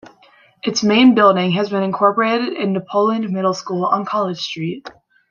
Its main building has been incorporated into Poland Middle School on College Street.